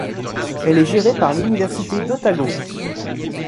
Elle est gérée par l'Université d'Otago.